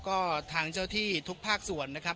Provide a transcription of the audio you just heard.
ก็ทางเจ้าที่ทุกภาคส่วนนะครับ